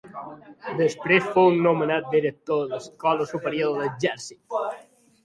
Després fou nomenat director de l'Escola Superior de l'Exèrcit.